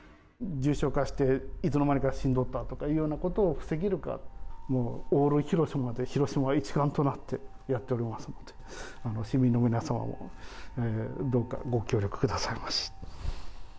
重症化して、いつの間にか死んどったということを防げるか、もうオール広島で、広島一丸となってやっておりますので、市民の皆様もどうかご協力くださいまし。